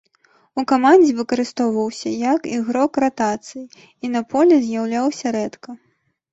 У камандзе выкарыстоўваўся як ігрок ратацыі і на полі з'яўляўся рэдка.